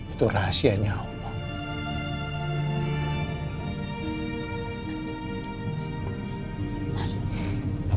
itu rahasianya allah